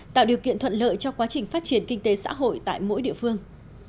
tạo điều kiện thuận lợi cho quá trình phát triển kinh tế xã hội tại mỗi địa phương